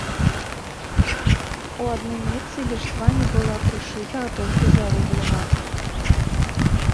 У адным месцы ліштва не была прышыта, а толькі зарублена.